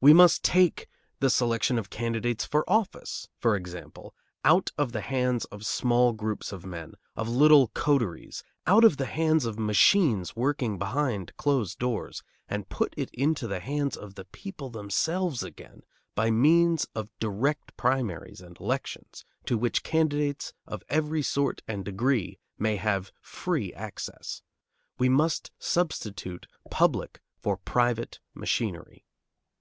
We must take the selection of candidates for office, for example, out of the hands of small groups of men, of little coteries, out of the hands of machines working behind closed doors, and put it into the hands of the people themselves again by means of direct primaries and elections to which candidates of every sort and degree may have free access. We must substitute public for private machinery.